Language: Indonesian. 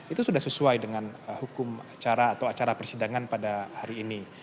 itu sudah sesuai dengan hukum acara atau acara persidangan pada hari ini